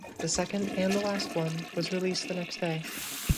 The second and the last one was released the next day.